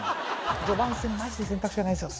序盤戦マジで選択肢がないんですよ